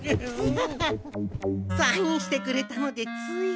サインしてくれたのでつい。